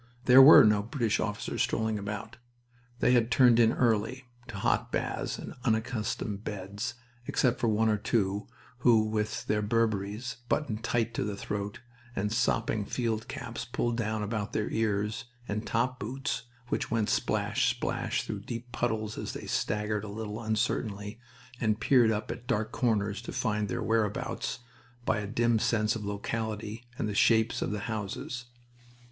There were no British officers strolling about. They had turned in early, to hot baths and unaccustomed beds, except for one or two, with their burberries buttoned tight at the throat, and sopping field caps pulled down about the ears, and top boots which went splash, splash through deep puddles as they staggered a little uncertainly and peered up at dark corners to find their whereabouts, by a dim sense of locality and the shapes of the houses.